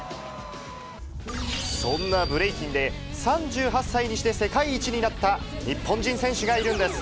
そんなブレイキンで、３８歳にして世界一になった日本人選手がいるんです。